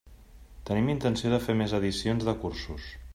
Tenim intenció de fer més edicions de cursos.